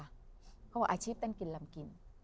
เค้าบอกอาชีพเต้นกินลำกิน